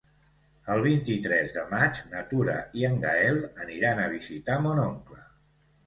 El vint-i-tres de maig na Tura i en Gaël aniran a visitar mon oncle.